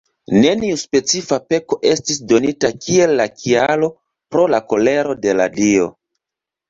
Neniu specifa peko estis donita kiel la kialo pro la kolero de la dio.